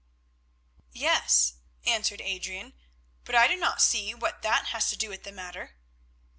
"Yes," answered Adrian, "but I do not see what that has to do with the matter."